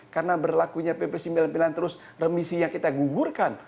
karena berlakunya pp sembilan puluh sembilan terus remisi yang kita gugurkan